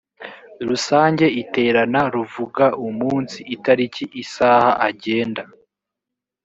rusange iterana ruvuga umunsi itariki isaha agenda